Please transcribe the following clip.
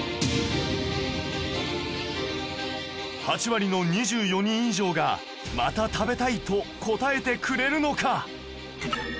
８割の２４人以上が「また食べたい」と答えてくれるのか？